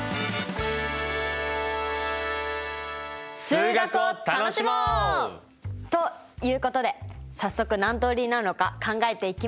数学を楽しもう！ということで早速何通りになるのか考えていきましょう。